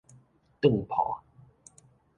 當鋪